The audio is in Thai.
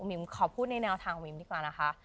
ขอพูดในแนวทางมิมดีกว่านะคะ